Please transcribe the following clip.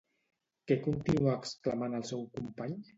Què continuà exclamant el seu company?